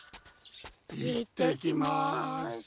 行ってきます。